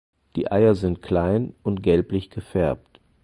Die Eier sind klein und gelblich gefärbt.